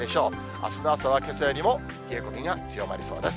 あすの朝はけさよりも冷え込みが強まりそうです。